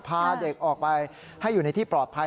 พาเด็กออกไปให้อยู่ในที่ปลอดภัย